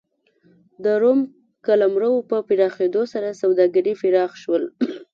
د روم قلمرو په پراخېدو سره سوداګري پراخ شول.